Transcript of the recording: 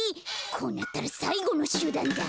こうなったらさいごのしゅだんだ。